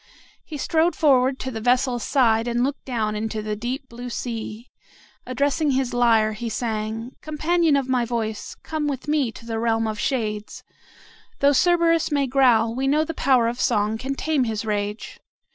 He strode forward to the vessel's side and looked down into the deep blue sea. Addressing his lyre, he sang, "Companion of my voice, come with me to the realm of shades. Though Cerberus may growl, we know the power of song can tame his rage.